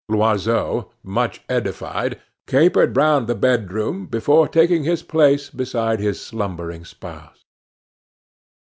Loiseau, much edified, capered round the bedroom before taking his place beside his slumbering spouse.